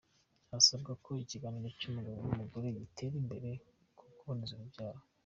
Harasabwa ko ikiganiro cy’umugabo n’umugore gitera imbere mu kuboneza urubyaro